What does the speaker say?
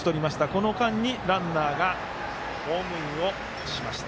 この間にランナーがホームインをしました。